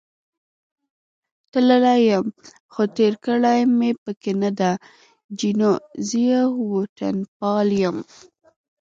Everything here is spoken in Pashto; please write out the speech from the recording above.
تللی یم، خو تېر کړې مې پکې نه ده، جینو: زه یو وطنپال یم.